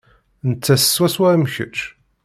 Nettat swaswa am kečč.